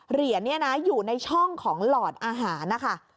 เหรียญเนี่ยนะอยู่ในช่องของหลอดอาหารนะคะ